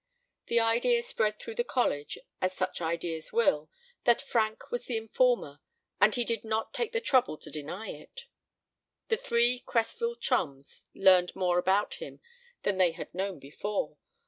The idea spread through the college, as such ideas will, that Frank was the informer, and he did not take the trouble to deny it. The three Cresville chums learned more about him than they had known before.